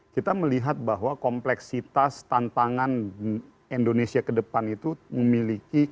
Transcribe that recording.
kita melihat bahwa kompleksitas tantangan indonesia ke depan itu memiliki